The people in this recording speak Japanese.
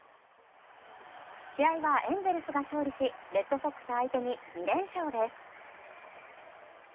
試合はエンゼルスが勝利しレッドソックス相手に２連勝です。